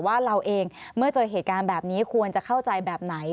ว่าเราเองเมื่อเจอเหตุการณ์แบบนี้ควรจะเข้าใจแบบไหน